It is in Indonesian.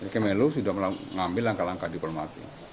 kemenlu sudah mengambil langkah langkah diplomatik